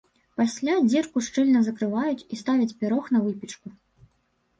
Пасля дзірку шчыльна закрываюць і ставяць пірог на выпечку.